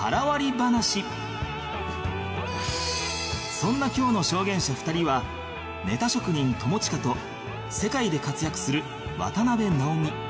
そんな今日の証言者２人はネタ職人友近と世界で活躍する渡辺直美